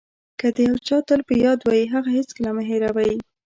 که د یو چا تل په یاد وئ هغه هېڅکله مه هیروئ.